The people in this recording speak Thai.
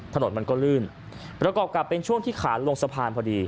ถนนมันก็ลื่นประกอบกับเป็นช่วงที่ขาลงสะพานพอดี